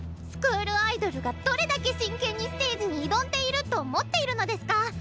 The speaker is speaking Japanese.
スクールアイドルがどれだけ真剣にステージに挑んでいると思っているのデスカ！